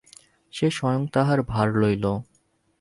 সে স্বয়ং তাহার ভার লইল।